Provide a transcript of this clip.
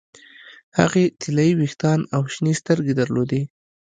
هغې طلايي ویښتان او شنې سترګې درلودې